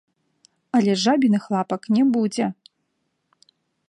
Але жабіных лапак не будзе.